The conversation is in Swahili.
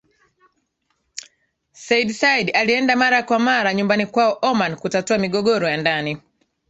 Sayyid Said alienda mara kwa mara nyumbani kwao Oman kutatua migogoro ya ndani